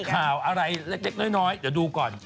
ข่าวอะไรเล็กน้อยเดี๋ยวดูก่อน